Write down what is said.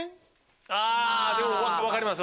でも分かります